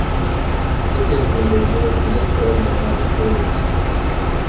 Lippi is remembered more for this poem than by his paintings.